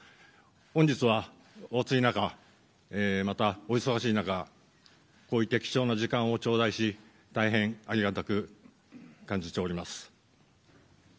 本日はお暑い中また、お忙しい中こういった貴重な時間を頂戴し大変ありがたく感じております。